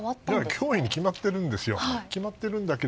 脅威に決まっているんですよ。